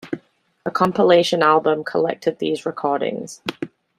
A compilation album collected these recordings.